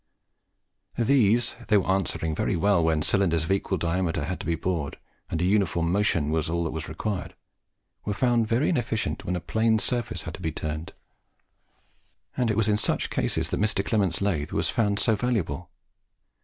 These, though answering very well where cylinders of equal diameter had to be bored, and a uniform motion was all that was required, were found very inefficient where a Plane surface had to be turned; and it was in such cases that Mr. Clement's lathe was found so valuable.